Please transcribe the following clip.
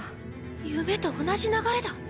夢と同じ流れだ！